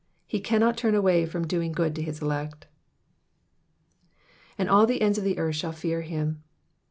He cannot turn away from doing good to his elect. ^^And all the ends of the earth shall fear him.